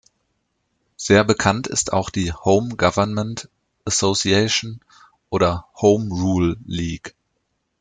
Sehr bekannt ist auch die "Home Government Association" oder "Home Rule League".